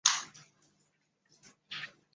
接着萝伦就听珍的建议试穿了一件黑色礼服。